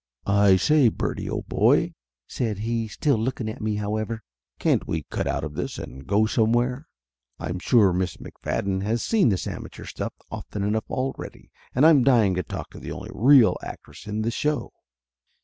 "I say, Bertie, old boy," said he, still looking at me, however, "can't we cut out of this and go some 22 Laughter Limited where? I'm sure Miss McFadden has seen this ama teur stuff often enough already, and I'm dying to talk to the only real actress in the show